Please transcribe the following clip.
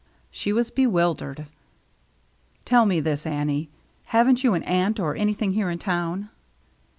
She was bewildered. "Tell me this, Annie, — haven't you an aunt or anything here in town?"